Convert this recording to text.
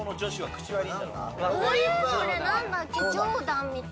これ何だっけ？